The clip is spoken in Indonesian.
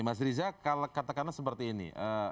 mas riza katakanlah seperti ini